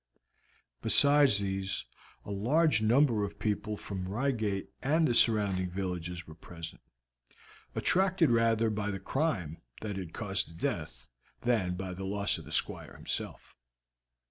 Besides these, a large number of people from Reigate and the surrounding villages were present, attracted rather by the crime that had caused the death than by the loss of the Squire himself.